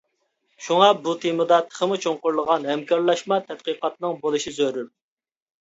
شۇڭا بۇ تېمىدا تېخىمۇ چوڭقۇرلىغان ھەمكارلاشما تەتقىقاتنىڭ بولۇشى زۆرۈر.